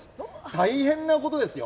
大変なことですよ。